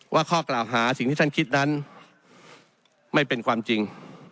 ข้อกล่าวหาสิ่งที่ท่านคิดนั้นไม่เป็นความจริง